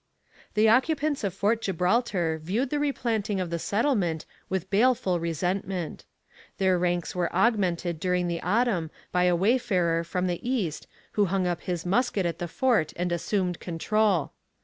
The occupants of Fort Gibraltar viewed the replanting of the settlement with baleful resentment. Their ranks were augmented during the autumn by a wayfarer from the east who hung up his musket at the fort and assumed control.